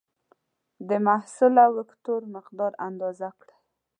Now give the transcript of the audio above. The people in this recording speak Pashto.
د محصله وکتور مقدار اندازه کړئ.